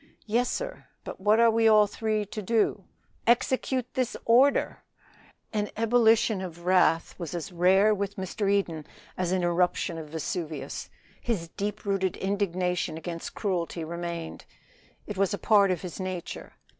"Yes, sir. But what are we all three to do?" "Execute this order!" An ebullition of wrath was as rare with Mr. Eden as an eruption of Vesuvius. His deep rooted indignation against cruelty remained; it was a part of his nature.